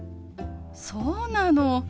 そうなの？